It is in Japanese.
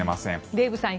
デーブさん